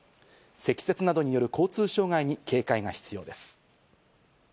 積雪などによる交通障害に警戒が必要です。